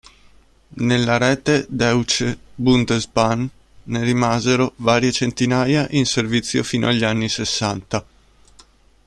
Nella rete Deutsche Bundesbahn ne rimasero varie centinaia in servizio fino agli anni sessanta.